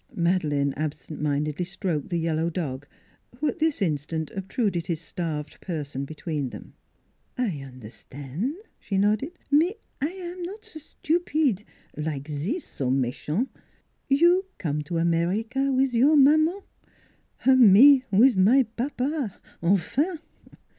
Madeleine absent mindedly stroked the yellow dog, who at this instant obtruded his starved per son between them. " I un'erstan'," she nodded. " Me, I am not NEIGHBORS 165 stupide like zis so mechant. You come to Amer ica wiz your maman me wiz my papa, enfin!